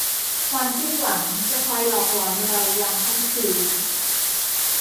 ความสิ้นหวังจะคอยหลอกหลอนเรายามค่ำคืน